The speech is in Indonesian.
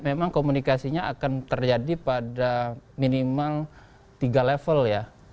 memang komunikasinya akan terjadi pada minimal tiga level ya